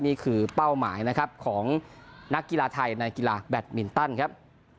นี่คือเป้าหมายของนักกีฬาไทยนักกีฬาแบทมินตันครับ